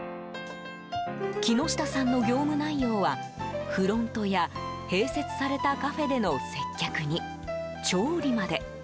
木下さんの業務内容はフロントや併設されたカフェでの接客に調理まで。